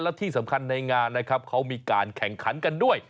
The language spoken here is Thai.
และที่สำคัญในงานนะครับเขามีการแข่งขันกันด้วย